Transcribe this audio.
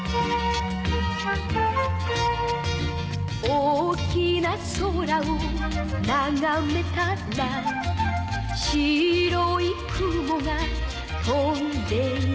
「大きな空をながめたら」「白い雲が飛んでいた」